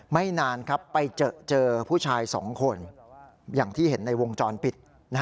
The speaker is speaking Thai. มาดัดโน้ท